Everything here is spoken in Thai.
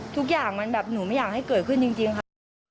ทุกอย่างมันแบบหนูไม่อยากให้เกิดขึ้นจริงค่ะ